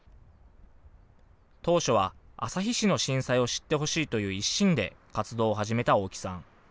当初は旭市の震災を知ってほしいという一心で活動を始めた大木さん。